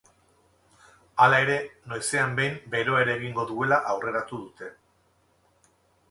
Hala ere, noizean behin beroa ere egingo duela aurreratu dute.